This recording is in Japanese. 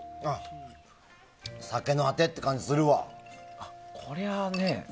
酒のアテっていう感じするわ。